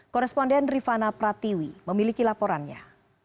koresponden rifana pratiwi memiliki laporannya